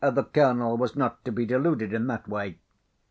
The Colonel was not to be deluded in that way.